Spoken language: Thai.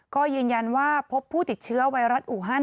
ก็ยืนยันว่าพบผู้ติดเชื้อไวรัสอูฮัน